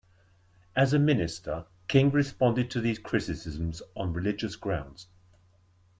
As a minister, King responded to these criticisms on religious grounds.